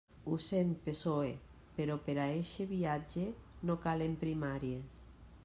Ho sent PSOE, però per a eixe viatge, no calen primàries.